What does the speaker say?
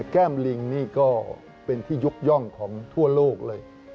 แก้มลิงนี่ก็เป็นที่ยกย่องของทั่วโลกเลย